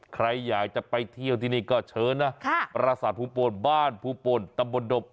ใครอยากจะไปเที่ยวที่นี่ก็เชิญนะปราสาทภูปนบ้านภูปนตำบลดบ